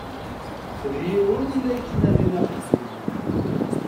D yiwen i la yettnadin axeddim.